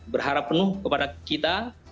berharap penuh kepada kita